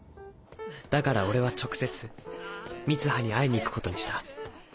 だから俺は直接三葉に会いに行くことにした。